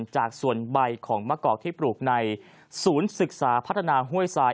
จากส่วนใบของมะกอกที่ปลูกในศูนย์ศึกษาพัฒนาห้วยทราย